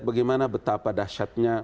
bagaimana betapa dahsyatnya